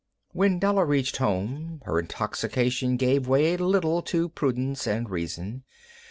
When Della reached home her intoxication gave way a little to prudence and reason.